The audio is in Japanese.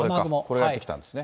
これがやって来たんですね。